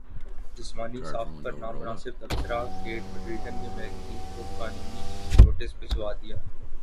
جسمانی ساخت پر نامناسب تبصرہ کیٹ مڈلٹن نے میگزین کو قانونی نوٹس بھجوادیا